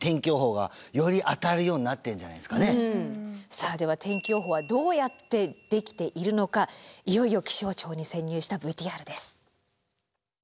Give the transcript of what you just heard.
さあでは天気予報はどうやってできているのかいよいよ気象庁に潜入したＶＴＲです。